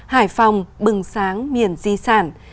hải phòng bừng sáng miền di sản